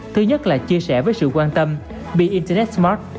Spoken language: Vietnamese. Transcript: thứ nhất là chia sẻ với sự quan tâm bị internet smart